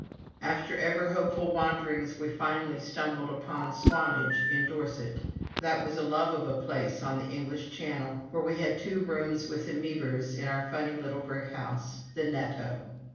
After ever hopeful wanderings, we finally stumbled upon Swanage in Dorset. That was a love of a place on the English Channel, where we had two rooms with the Mebers in their funny little brick house, the "Netto."